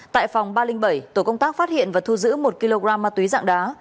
tại phòng ba trăm linh bảy tổ công tác phát hiện và thu giữ một kg ma túy dạng đá